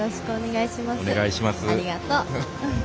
ありがとう。